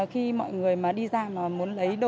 khi mọi người đi ra muốn lấy đồ